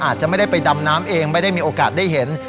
อาจจะไม่ได้ไปดำน้ำเองไม่ได้มีโอกาสได้เห็น